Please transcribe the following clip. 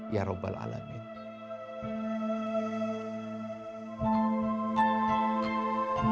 ya rabbal alamin